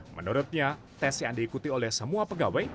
menurutnya tes yang diikuti oleh semua pegawai